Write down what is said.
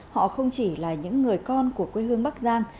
họ không chỉ là những người con của quê hương bắc giang